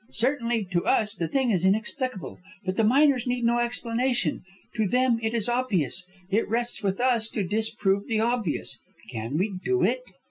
"Certainly, to us the thing is inexplicable; but the miners need no explanation. To them it is obvious. It rests with us to disprove the obvious. Can we do it?"